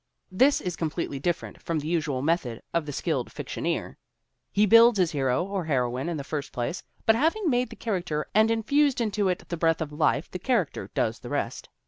This is completely different from the usual method of the skilled fictioneer. He builds his hero or heroine in the first place, but having made the character and infused into it the breath of life the character does the rest.